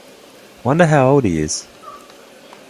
Wonder how old he is?